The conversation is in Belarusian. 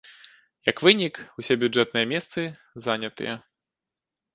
Як вынік, усе бюджэтныя месцы занятыя.